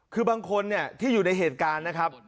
คือบางคนที่อยู่ในเหตุการณ์นะครับ